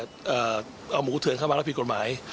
เอาหมูเถื่อนเข้ามาแล้วผิดกฎหมาย